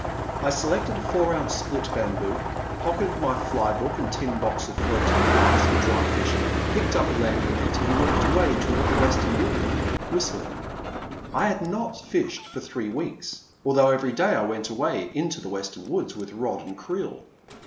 I selected a four ounce split bamboo, pocketed my fly book and a tin box of floating flies for dry fishing, picked up a landing net, and walked away toward the western woodland, whistling. I had not fished for three weeks, although every day I went away into the western woods with rod and creel.